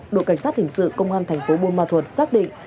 đội cảnh sát hình sự công an thành phố bùn ma thuận xác định